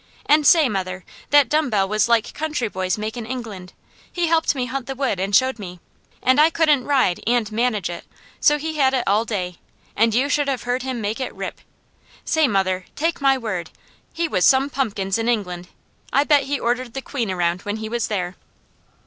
"And say, mother, that dumb bell was like country boys make in England. He helped me hunt the wood and showed me, and I couldn't ride and manage it, so he had it all day, and you should have heard him make it rip. Say, mother, take my word, he was some pumpkins in England. I bet he ordered the Queen around, when he was there!"